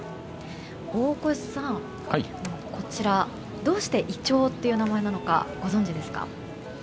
大越さん、どうしてイチョウっていう名前なのかご存じですか。